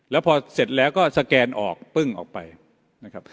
แล้วพอเสร็จแล้วก็สแกนออกปึ้งออกไปนะครับ